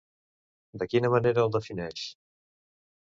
De quina manera el defineix?